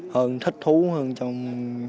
hơn thất thú hơn trong